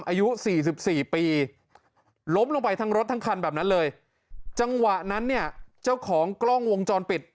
อายุสี่สิบสี่ปีล้มลงไปทั้งรถทั้งคันแบบนั้นเลยจังหวะนั้นเนี่ยเจ้าของกล้องวงจรปิด